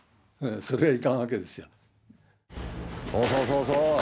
そうそうそうそう。